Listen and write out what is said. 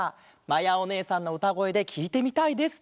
まやおねえさんのうたごえできいてみたいです」だって。